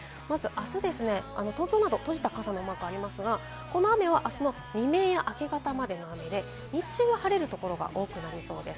まず明日、東京など閉じた傘のマークありますが、この雨はあすの未明や明け方までの雨で、日中は晴れるところが多くなりそうです。